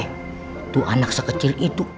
itu anak sekecil itu